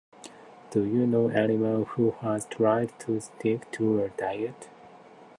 Do you know anyone who has tried to stick to a diet?